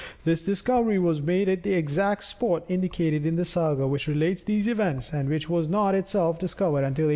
This discovery was made at the exact spot indicated in the Saga which related these events, and which was not itself discovered until 1863.